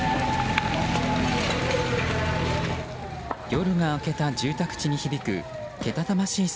夜が明けた住宅地に響くけたたましい